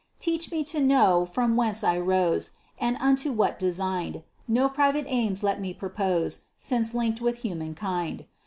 Teach me to know from whence I rose, And unto what design'd; No private aims let me propose, Since link'd with human kind.